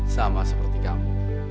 sama seperti kamu